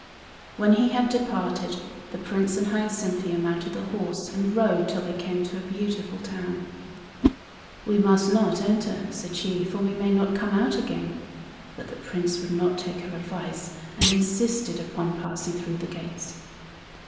When he had departed, the Prince and Hyacinthia mounted the horse and rode till they came to a beautiful town. "We must not enter," said she, "for we may not come out again." But the Prince would not take her advice, and insisted upon passing through the gates.